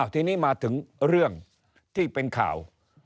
ทีนี้มาถึงเรื่องที่เป็นข่าว